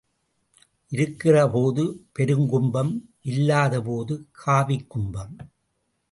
இருக்கிறபோது பெருங்கும்பம் இல்லாத போது காவிக் கும்பம்.